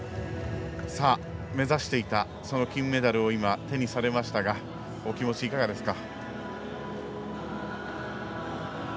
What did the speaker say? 目指していた金メダルを手にされましたがお気持ち、いかがですか。